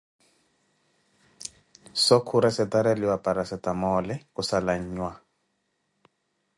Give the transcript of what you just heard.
Soo khuressetareliwa parasstamole khussala an'nhwa